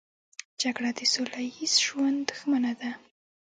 جګړه د سوله ییز ژوند دښمنه ده